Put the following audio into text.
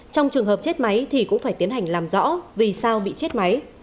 trong trường hợp chết máy thì cũng phải tiến hành làm rõ vì sao bị chết máy